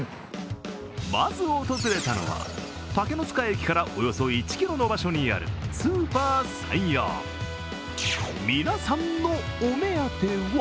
まず訪れたのは、竹ノ塚駅からおよそ１ｋｍの場所にある、スーパーさんよう。